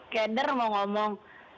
keder mau ngomong